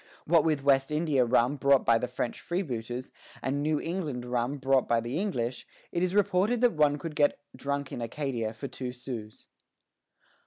What with West India rum brought by the French freebooters, and New England rum brought by the English, it is reported that one could get drunk in Acadia for two sous.